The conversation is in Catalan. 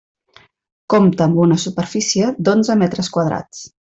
Compta amb una superfície d'onze metres quadrats.